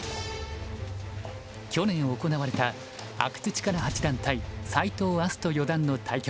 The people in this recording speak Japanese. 去年行われた阿久津主税八段対斎藤明日斗四段の対局。